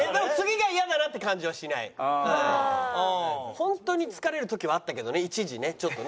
本当に疲れる時はあったけどね一時ねちょっとね。